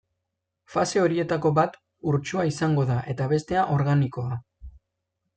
Fase horietako bat urtsua izango da eta bestea organikoa.